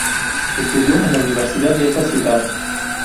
Estudió en la universidad de esta ciudad.